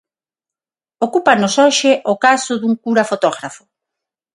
Ocúpanos hoxe o caso dun cura fotógrafo.